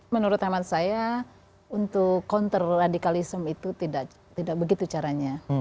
menurut hemat saya untuk counter radikalisme itu tidak begitu caranya